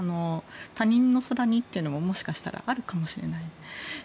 他人の空似というのももしかしらあるかもしれない。